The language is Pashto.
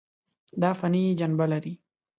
دا فني جنبه لري.